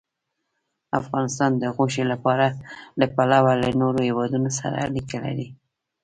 افغانستان د غوښې له پلوه له نورو هېوادونو سره اړیکې لري.